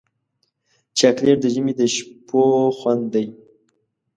چاکلېټ د ژمي د شپو خوند دی.